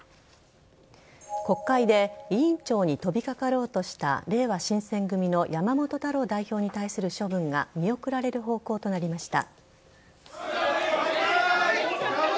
国会で委員長に飛びかかろうとした、れいわ新選組の山本太郎代表に対する処分が見送られる方向となりました。